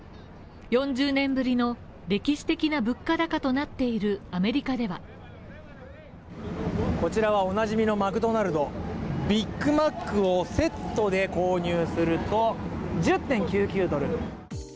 ４０年ぶりの歴史的な物価高となっているアメリカではこちらはおなじみのマクドナルド、ビッグマックをセットで購入すると１０．９９ドルです。